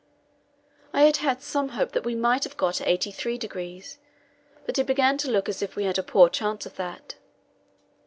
I had had some hope that we might have got to 83°, but it began to look as if we had a poor chance of that.